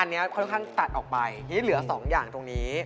อันนี้ค่อนข้างตัดออกไปทีนี้เหลือ๒อย่างตรงนี้